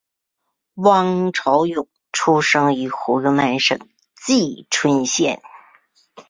汪潮涌出生于湖北省蕲春县。